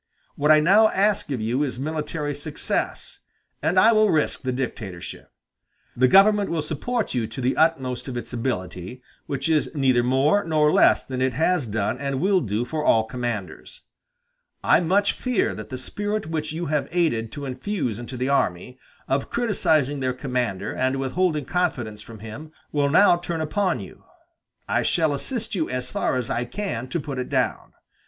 What I now ask of you is military success, and I will risk the dictatorship. The government will support you to the utmost of its ability, which is neither more nor less than it has done and will do for all commanders. I much fear that the spirit which you have aided to infuse into the army, of criticizing their commander and withholding confidence from him, will now turn upon you. I shall assist you as far as I can to put it down.